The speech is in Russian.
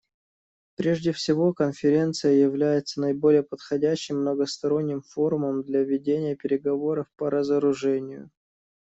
Прежде всего, Конференция является наиболее подходящим многосторонним форумом для ведения переговоров по разоружению.